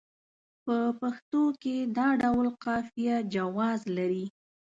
په پښتو کې دا ډول قافیه جواز لري.